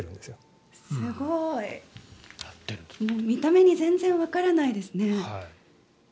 見た目に全然わからないですね。